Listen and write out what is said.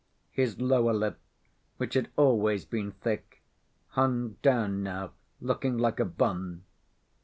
His lower lip, which had always been thick, hung down now, looking like a bun.